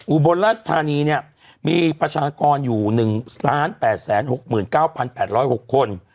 อุบลราชธานีเนี่ยมีประชากรอยู่๑๘๖๙๘๐๖คน